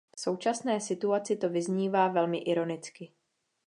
V současné situaci to vyznívá velmi ironicky.